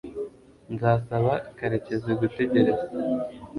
nzasaba karekezi gutegereza